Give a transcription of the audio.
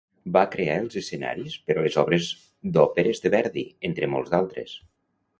Va crear els escenaris per a les obres d'òperes de Verdi, entre molts d'altres.